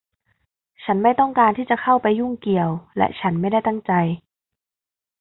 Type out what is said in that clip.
ฉันไม่ต้องการที่จะเข้าไปยุ่งเกี่ยว และฉันไม่ได้ตั้งใจ